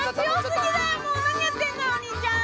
もう何やってんのよお兄ちゃん。